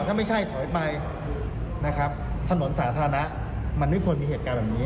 ถ้าไม่ใช่ถอยไปนะครับถนนสาธารณะมันไม่ควรมีเหตุการณ์แบบนี้